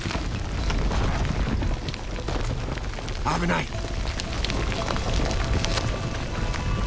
危ない！